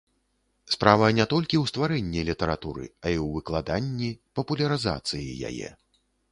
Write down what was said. Справа не толькі ў стварэнні літаратуры, а і ў выкладанні, папулярызацыі яе.